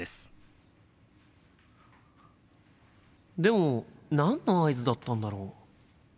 心の声でも何の合図だったんだろう？